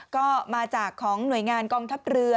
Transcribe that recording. ก็มาจากของหน่วยงานกองทัพเรือ